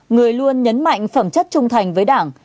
người luôn nhấn mạnh phẩm chất trung thành với đảng